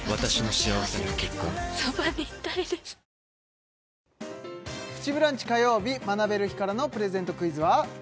「お椀で食べるシリーズ」「プチブランチ」火曜日学べる日からのプレゼントクイズは？